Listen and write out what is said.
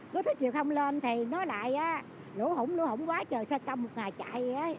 nó thấy chiều không lên thì nó lại lũ hủng lũ hủng quá chờ xe công một ngày chạy